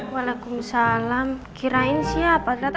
waalaikumsalam kirain siapa ternyata